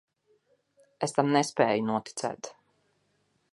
Es tam nespēju noticēt.